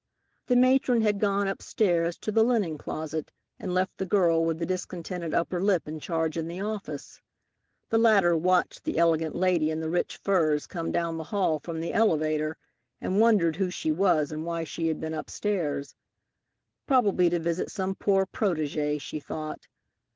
The matron had gone upstairs to the linen closet and left the girl with the discontented upper lip in charge in the office. The latter watched the elegant lady in the rich furs come down the hall from the elevator, and wondered who she was and why she had been upstairs. Probably to visit some poor protégée, she thought.